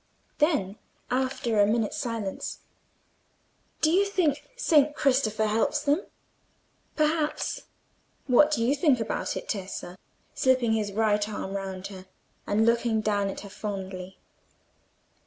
Then, after a minute's silence, "Do you think Saint Christopher helps them?" "Perhaps. What do you think about it, Tessa?" said Tito, slipping his right arm round her, and looking down at her fondly.